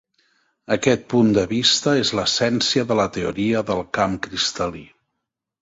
Aquest punt de vista és l'essència de la teoria del camp cristal·lí.